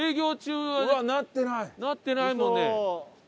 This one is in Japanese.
なってないもんね。